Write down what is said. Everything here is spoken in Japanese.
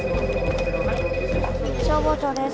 ☎消防庁です。